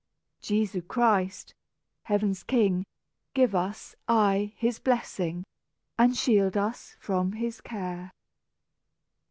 Jesu Christ, heaven's king, Give us, aye, his blessing, And shield us from care!"